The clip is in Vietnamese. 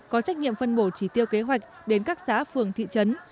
có trách nhiệm phân bổ trí tiêu kế hoạch đến các xã phường thị trấn